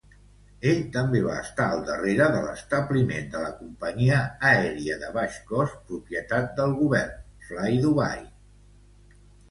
Ell també va estar al darrere de l'establiment de la companyia aèria de baix cost, propietat del govern, FlyDubai.